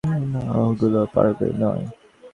ওগুলো পরবে না।